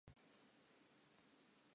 It shows how it's done.